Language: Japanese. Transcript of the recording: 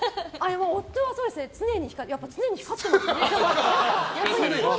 夫は常に光ってますね。